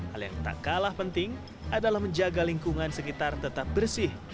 hal yang tak kalah penting adalah menjaga lingkungan sekitar tetap bersih